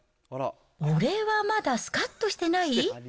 俺はまだスカッとしてない？